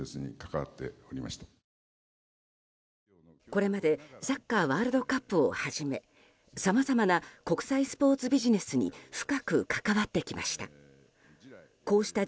これまでサッカーワールドカップをはじめさまざまな国際スポーツビジネスに深く関わってきました。